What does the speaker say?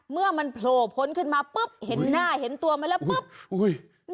เมื่อมันโผล่พ้นขึ้นมาปุ๊บเห็นหน้าเห็นตัวมาแล้วปุ๊บ